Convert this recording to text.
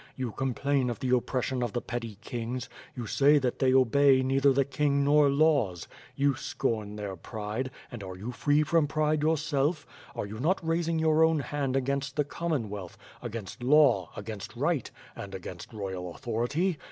You complain of the oppression of the petty kings; you say that they obey neither the king nor laws; you scorn their pride, and are you free from pride yourself? Are you not raising your own hand against the Commonwealth; against law, against right, and against royal authority?